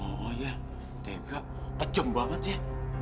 oh iya tega kejem banget ya